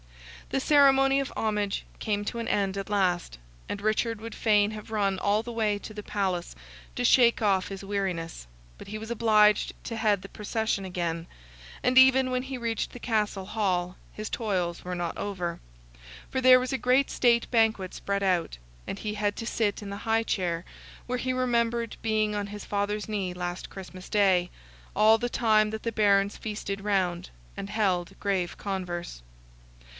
The ceremony of homage came to an end at last, and Richard would fain have run all the way to the palace to shake off his weariness, but he was obliged to head the procession again; and even when he reached the castle hall his toils were not over, for there was a great state banquet spread out, and he had to sit in the high chair where he remembered climbing on his father's knee last Christmas day, all the time that the Barons feasted round, and held grave converse.